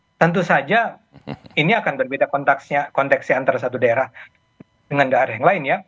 ya tentu saja ini akan berbeda konteksnya antara satu daerah dengan daerah yang lain ya